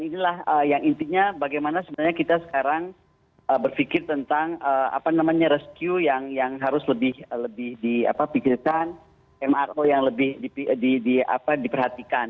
inilah yang intinya bagaimana sebenarnya kita sekarang berpikir tentang apa namanya rescue yang harus lebih dipikirkan mro yang lebih diperhatikan